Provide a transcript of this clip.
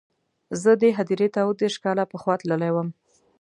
زه دې هدیرې ته اووه دېرش کاله پخوا تللی وم.